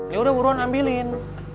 ya udah buruan ambilin